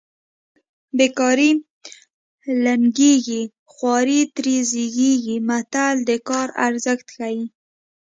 بې کاري لنګېږي خواري ترې زېږېږي متل د کار ارزښت ښيي